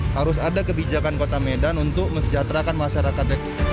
harus ada kebijakan kota medan untuk mesejahterakan masyarakat